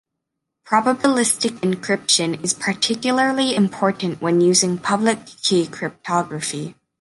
Probabilistic encryption is particularly important when using public key cryptography.